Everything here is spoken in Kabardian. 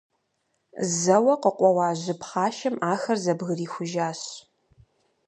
Зэуэ къыкъуэуа жьы пхъашэм ахэр зэбгрихужащ.